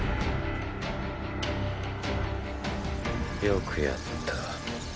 よくやった。